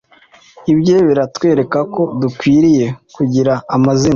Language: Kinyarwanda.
ibye biratwerekako tudakwiye kugira amazina